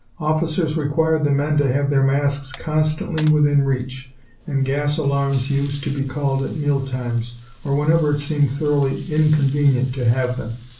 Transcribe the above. Officers required the men to have their masks constantly within reach, and gas alarms used to be called at meal times, or whenever it seemed thoroughly inconvenient to have them.